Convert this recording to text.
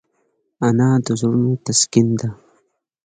انا د زړونو تسکین ده